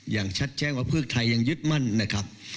อย่างชัดแจ้งว่าเพื่อไทยยังยึดมั่นนะครับ